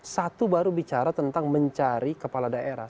satu baru bicara tentang mencari kepala daerah